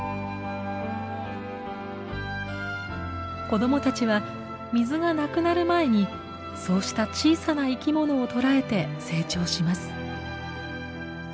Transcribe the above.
子どもたちは水がなくなる前にそうした小さな生きものを捕らえて成長します。